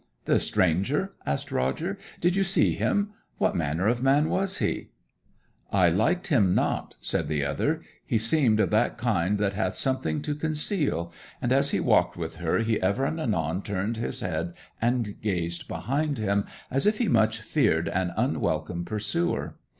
'The stranger?' asked Roger. 'Did you see him? What manner of man was he?' 'I liked him not,' said the other. 'He seemed of that kind that hath something to conceal, and as he walked with her he ever and anon turned his head and gazed behind him, as if he much feared an unwelcome pursuer.